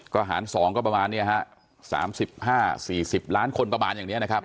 ก็หาร๒ก็ประมาณนี้ฮะ๓๕๔๐ล้านคนประมาณอย่างนี้นะครับ